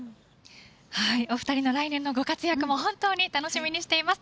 お二人の来年のご活躍も本当に楽しみにしています。